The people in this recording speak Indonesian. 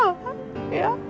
itu semua salah mama